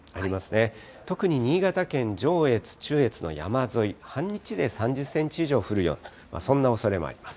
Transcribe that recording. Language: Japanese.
特に新潟県、上越、中越の山沿い、半日で３０センチ以上降る、そんなおそれもあります。